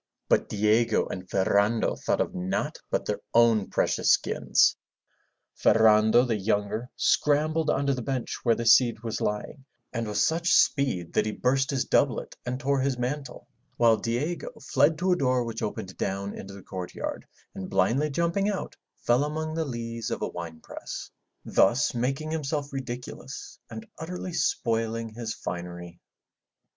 But Diego and Ferrando thought of naught but their own precious skins. Ferrando, the younger, scrambled under the bench where the Cid was lying and with such speed 321 MY BOOK HOUSE that he burst his doublet and tore his mantle, while Diego fled to a door which opened down into the courtyard, and blindly jumping out, fell among the lees of a wine press, thus making himself ridiculous and utterly spoiling his finery.